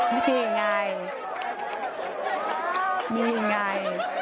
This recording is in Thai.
นี่ไงนี่ไง